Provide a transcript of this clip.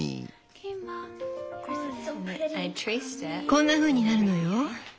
こんなふうになるのよ。